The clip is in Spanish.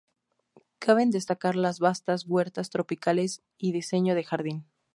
Caben destacar las vastas huertas tropicales y diseño de jardín.